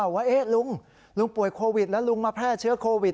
ว่าลุงลุงป่วยโควิดแล้วลุงมาแพร่เชื้อโควิด